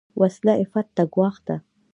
وسله عفت ته ګواښ ده